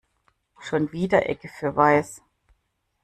Schon wieder Ecke für weiß.